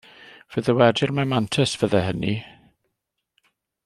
Fe ddywedir mai mantais fyddai hynny.